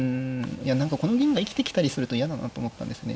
いや何かこの銀が生きてきたりすると嫌だなと思ったんですね。